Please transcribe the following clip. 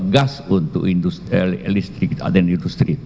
gas untuk listrik kita ada di industri